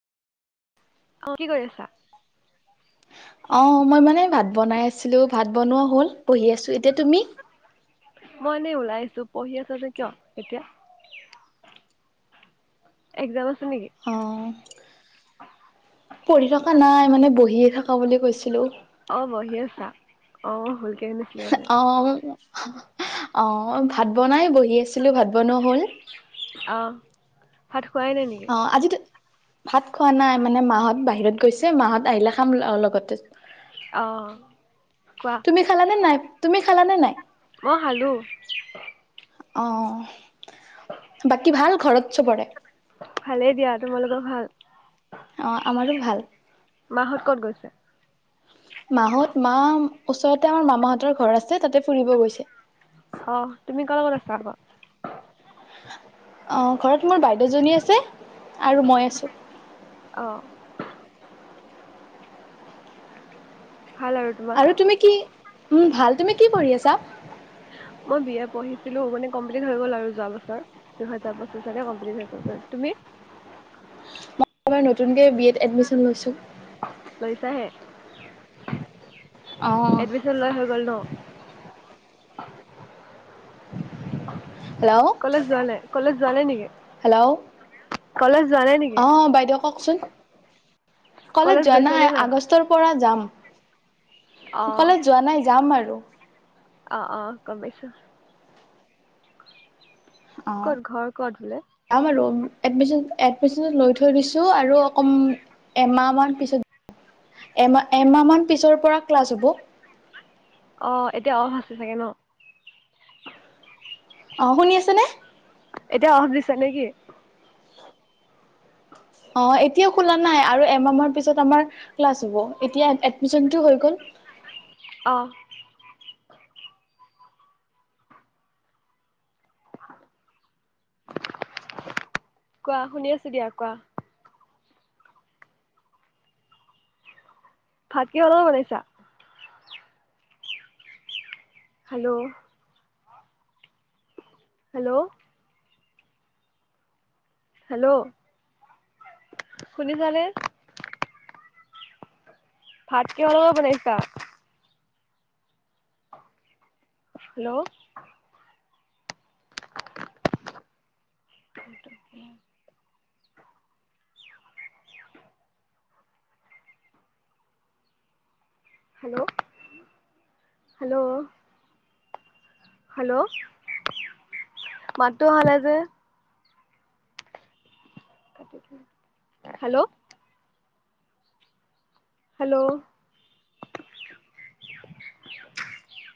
অ' কি কৰি আছা? অঁ মই মানে ভাত বনাই আছিলোঁ ভাত বনোৱা হ'ল। পঢ়ি আছোঁ এতিয়া তুমি? মই এনেই ওলাই আছো। পঢ়ি আছ যে কিয় এতিয়া এক্সাম আছে নেকি? অ' পঢ়ি থকা নাই মানে বহিয়ে থাকা বুলি কৈছিলোঁ। অ' বহি আছা অ মই ভুলকে [unintelligible] অ' অ 'ভাত বনাই বহি আছিলোঁ ভাত বনোৱা হ'ল। অ' ভাত খোৱাই নাই নেকি? অ' আজিতো ভাত খোৱা নাই মানে মাহত বাহিৰত গৈছে মাহ'ত আহিলে খাম লগতে অ' কোৱা? তুমি খালা নে নাই তুমি খালা নে নাই? মই খালোঁ। অ' বাকী ভাল ঘৰত চবৰে? ভালেই দিয়া তোমালোকক ভাল। অঁ আমাৰো ভাল। মাহ'ত ক'ত গৈছে? মাহ'ত মা ওচৰতে আমাৰ মামাহঁতৰ ঘৰ আছে তাতে ফুৰিব গৈছে। অ' তুমি কাৰ লগত আছা আকৌ'। অ ঘৰত মোৰ বাইদেউজনী আছে আৰু মই আছোঁ। অঁ। ভাল আৰু তোমাৰ? আৰু তুমি কি উম' ভাল তুমি কি পঢ়ি আছা? মই বি এ পঢ়িছিলো মানে কমপ্লিট হৈ গ'ল আৰু যোৱা বছৰ দুহেজাৰ পঁচিশতে কমপ্লিট হৈ গ'ল। বাৰু তুমি মই এইবাৰ নতুনকে বি এত এডমিচন লৈছোঁ। লৈছা হে। অ' এডমিচন লোৱা হৈ গ'ল ন। হেল্ল' কলেজ যোৱা নাই, কলেজ যোৱা নাই নেকি হেল্ল' কলেজ যোৱা নাই নেকি? অ বাইদেউ কওঁকচোন কলেজ যোৱা নাই আগষ্টৰ পৰা যাম। অ', কলেজ যোৱা নাই যাম আৰু। অ অ গম পাইছো। অঁ। ক'ত ঘৰ ক'ত বোলে? যাম আৰু এডমিশন, এডমিশন লৈ থৈ দিছোঁ আৰু অকম এমাহ মান পিছত এমাহ, এমাহ মান পিছৰ পৰা ক্লাছ হ'ব। অ, এতিয়া অফ আছে চাগে ন'? অ, শুনি আছেনে? এতিয়া অফ দিছে নে কি? অ, এতিয়া খোলা নাই আৰু এমাহ মান পিছত আমাৰ ক্লাছ হ'ব, এতিয়া এডমিচনটো হৈ গ'ল। অ'। কোৱা শুনি আছো দিয়া কোৱা। ভাত কিহৰ লগত বনাইছা? হেল্ল'? হেল্ল'? হেল্ল', শুনিছানে? ভাত কিহৰ লগত বনাইছা? হেল্ল'? [unintelligible] Hello, hello? হেল্ল', মাতটো অহা নাই যে? হেল্ল'? হেল্ল'?